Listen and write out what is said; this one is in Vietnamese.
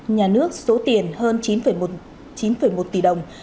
nhà nước số tiền hơn chín một tỷ đồng